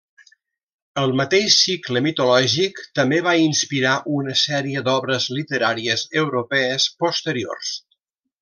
El mateix cicle mitològic també va inspirar una sèrie d'obres literàries europees posteriors.